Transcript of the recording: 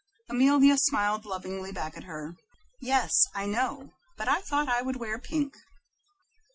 Amelia smiled lovingly back at her. "Yes, I know, but I thought I would wear pink."